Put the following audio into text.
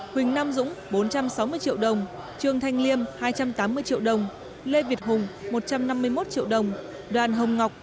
huỳnh nam dũng bốn trăm sáu mươi triệu đồng trương thanh liêm hai trăm tám mươi triệu đồng lê việt hùng một trăm năm mươi một triệu đồng đoàn hồng ngọc